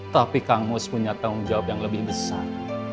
tapi kang mus punya tanggung jawab yang lebih besar